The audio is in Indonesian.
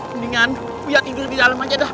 mendingan uya tidur di dalem aja dah